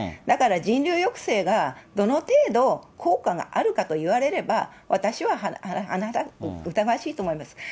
だから人流抑制がどの程度、効果があるかといわれれば、私は甚だ疑わしいと思います。